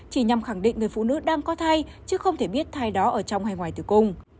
chỉ nhằm khẳng định người phụ nữ đang có thai chứ không thể biết thay đó ở trong hay ngoài tử cung